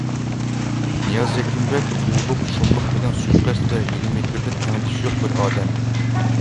نىياز ھېكىمبەگ قۇۋلۇق، شۇملۇق بىلەن سۇيىقەست ۋە ھىيلە مىكىردە تەڭدىشى يوق بىر ئادەم.